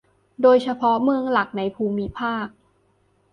โดยเฉพาะเมืองหลักในภูมิภาค